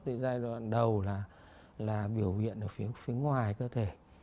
cái giai đoạn đầu là biểu hiện ở phía ngoài cơ thể